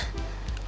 ya udah yaudah